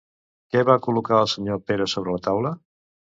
Què va col·locar el senyor Pere sobre la taula?